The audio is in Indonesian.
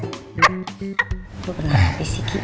gue pernah habis habis kik